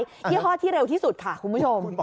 ยี่ห้อที่เร็วที่สุดค่ะคุณผู้ชม